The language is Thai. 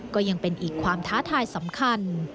ก็ยังเป็นอีกความท้าทายสำคัญ